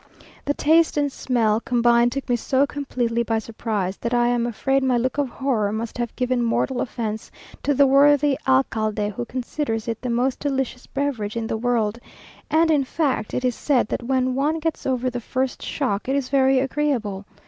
The taste and smell combined took me so completely by surprise, that I am afraid my look of horror must have given mortal offence to the worthy alcalde who considers it the most delicious beverage in the world; and in fact, it is said, that when one gets over the first shock, it is very agreeable.